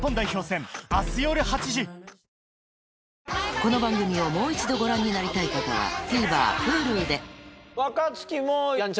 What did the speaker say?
この番組をもう一度ご覧になりたい方はＴＶｅｒＨｕｌｕで若槻も。